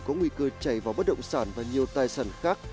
có nguy cơ chảy vào bất động sản và nhiều tài sản khác